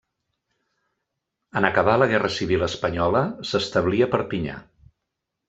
En acabar la guerra civil espanyola s'establí a Perpinyà.